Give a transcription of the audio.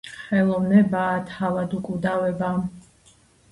ხელოვნებაა თავად უკვდავება,